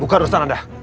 buka dosa anda